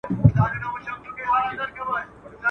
پور د محبت غيچي ده.